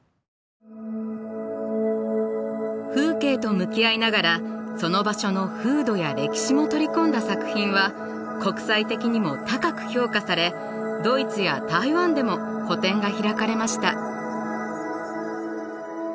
風景と向き合いながらその場所の風土や歴史も取り込んだ作品は国際的にも高く評価されドイツや台湾でも個展が開かれました。